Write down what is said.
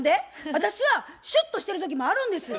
私はシュッとしてる時もあるんですよ。